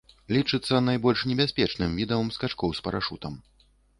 Лічыцца найбольш небяспечным відам скачкоў з парашутам.